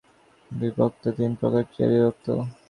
এই প্রাণায়াম তিন প্রকার ক্রিয়ায় বিভক্ত।